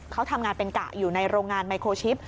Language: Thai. เขาทำงานเป็นกะอยู่ในโรงงานไมโครชิป